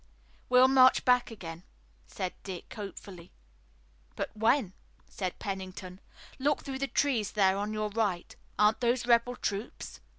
"We'll march back again," said Dick hopefully. "But when?" said Pennington. "Look through the trees there on our right. Aren't those rebel troops?"